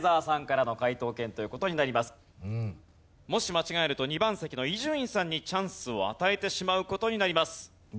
もし間違えると２番席の伊集院さんにチャンスを与えてしまう事になります。